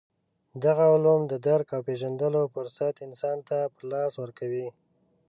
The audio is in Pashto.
دغه علوم د درک او پېژندلو فرصت انسان ته په لاس ورکوي.